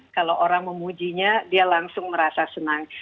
kalau orang memujinya dia langsung merasa senang